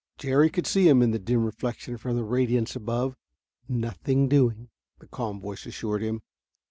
Jerry could see him in the dim reflection from that radiance above. "Nothing doing," the calm voice assured him.